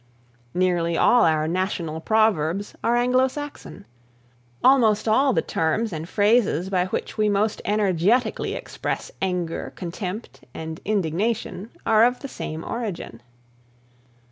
Nearly all our national proverbs are Anglo Saxon. Almost all the terms and phrases by which we most energetically express anger, contempt and indignation are of the same origin.